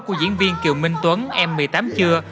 của diễn viên kiều minh tuấn em một mươi tám chưa